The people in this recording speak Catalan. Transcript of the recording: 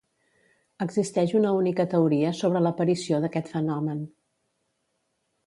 Existeix una única teoria sobre l'aparició d'aquest fenomen.